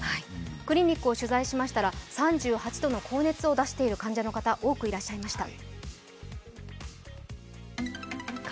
クリニックを取材しましたら３８度の高熱を出している患者の方多くいらっしゃいました。